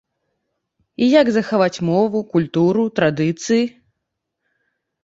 І як захаваць мову, культуру, традыцыі?